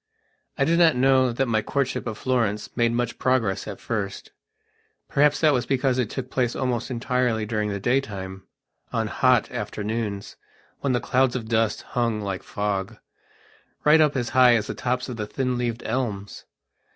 I do not know that my courtship of Florence made much progress at first. Perhaps that was because it took place almost entirely during the daytime, on hot afternoons, when the clouds of dust hung like fog, right up as high as the tops of the thin leaved elms.